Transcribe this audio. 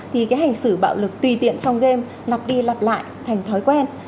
thì cái hành xử bạo lực tùy tiện trong game lặp đi lặp lại thành thói quen